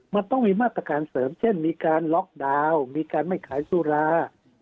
มันต้องมีมาตรการเสริมเช่นมีการล็อกดาวน์มีการไม่ขายสุรา